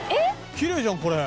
きれいじゃんこれ。